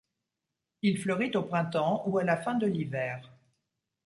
Il fleurit au printemps ou à la fin de l'hiver.